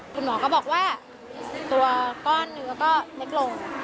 คุณหมอก็บอกว่าตัวก้อนเนื้อก็เล็กลง